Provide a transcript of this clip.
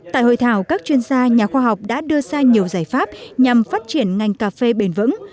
tại hội thảo các chuyên gia nhà khoa học đã đưa ra nhiều giải pháp nhằm phát triển ngành cà phê bền vững